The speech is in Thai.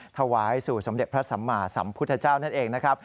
ถวายสู่สมเด็จพระสัมมาสัมพุทธเจ้านั่นเองนะครับ